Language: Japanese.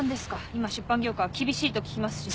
今出版業界は厳しいと聞きますし。